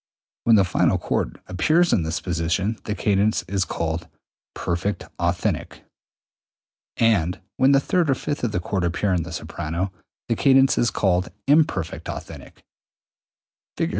When the final chord appears in this position the cadence is called perfect authentic, and when the third or fifth of the chord appear in the soprano, the cadence is called imperfect authentic. Fig.